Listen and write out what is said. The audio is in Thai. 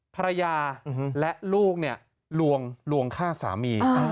ภรรยาและลูกลวงฆ่าสามี